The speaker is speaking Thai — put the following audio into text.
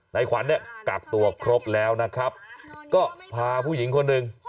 นายขวัญเนี่ยกักตัวครบแล้วนะครับก็พาผู้หญิงคนหนึ่ง